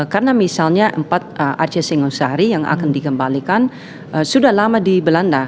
karena misalnya empat arca singosari yang akan dikembalikan sudah lama di belanda